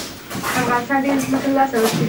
افغانستان ډېرې ځمکې له لاسه ورکړې.